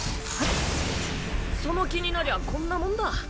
その気になりゃあこんなもんだ。